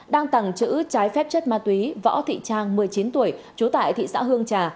đăng tẳng chữ trái phép chất ma túy võ thị trang một mươi chín tuổi trú tại thị xã hương trà